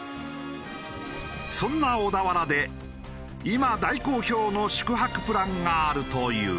そんな小田原で今大好評の宿泊プランがあるという。